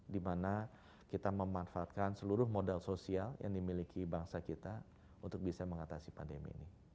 dimana kita memanfaatkan seluruh modal sosial yang dimiliki bangsa kita untuk bisa mengatasi pandemi ini